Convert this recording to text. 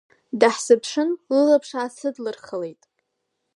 Дааҳзыԥшын, лылаԥш аасыдлырхалеит.